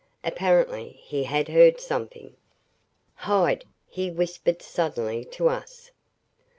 Apparently he had heard something. "Hide," he whispered suddenly to us.